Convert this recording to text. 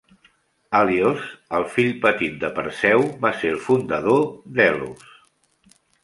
Helios, el fill petit de Perseu, va ser el fundador d'Helos.